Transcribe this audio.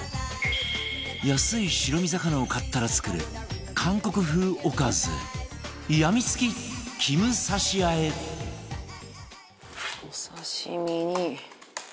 安い白身魚を買ったら作る韓国風おかずやみつきキム刺和えお刺身に。